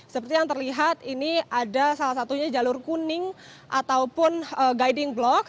seperti yang terlihat ini ada salah satunya jalur kuning ataupun gajah